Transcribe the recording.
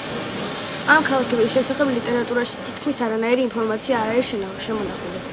ამ ქალაქის შესახებ ლიტერატურაში თითქმის არანაირი ინფორმაცია არ არის შემონახული.